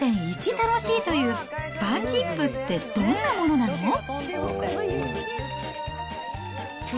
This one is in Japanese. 一楽しいというバンジップってどんなものなの？